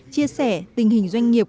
chia sẻ tình hình doanh nghiệp